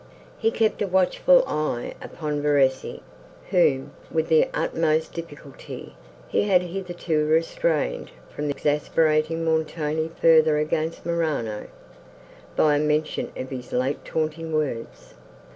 He kept a watchful eye upon Verezzi, whom, with the utmost difficulty, he had hitherto restrained from exasperating Montoni further against Morano, by a mention of his late taunting words.